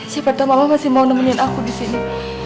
siapa tau mama masih mau nemenin aku disini